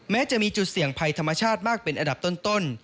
แม้จะมีจุดเสี่ยงภัยธรรมชาติมากเป็นอันดับต้น